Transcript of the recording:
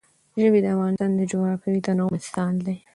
ژبې د افغانستان د جغرافیوي تنوع مثال دی.